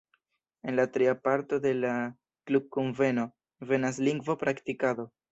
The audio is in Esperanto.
En la tria parto de la klubkunveno venas lingvo-praktikado.